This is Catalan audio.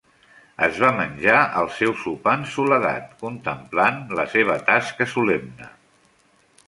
Es va menjar el seu sopar en soledat, contemplant la seva tasca solemne.